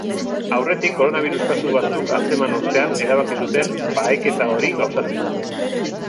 Aurretik koronabirus kasu batzuk atzeman ostean erabaki zuten baheketa hori gauzatzea.